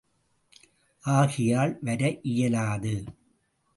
ஆகையால் வர இயலாது.